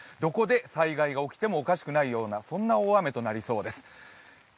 どこで災害が起きてもおかしくないような、そんな雨になりそうです